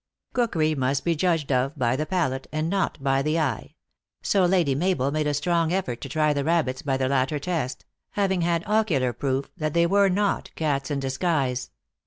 Cookery must be judged of by the palate, and not by the eye. So Lady Mabel made a strong effort to try the rabbits by the latter test having had ocular proof that they were not cats in disguise.